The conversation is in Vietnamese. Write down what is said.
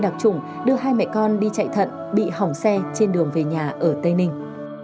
đặc trùng đưa hai mẹ con đi chạy thận bị hỏng xe trên đường về nhà ở tây ninh